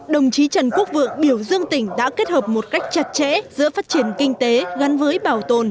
đồng chí trần quốc vượng biểu dương tỉnh đã kết hợp một cách chặt chẽ giữa phát triển kinh tế gắn với bảo tồn